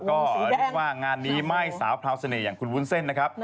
ก็เรียกว่างานนี้ไม่สาวพราวเสน่ห์อย่างคุณวุ้นเส้นนะครับ